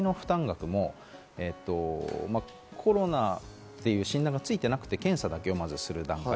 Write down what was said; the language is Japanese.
あと外来の負担額もコロナという診断がついてなくて検査だけをまずする段階。